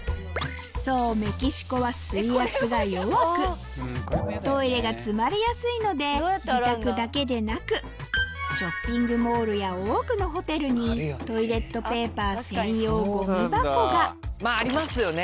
そうメキシコはトイレが詰まりやすいので自宅だけでなくショッピングモールや多くのホテルにトイレットペーパー専用ゴミ箱がありますよね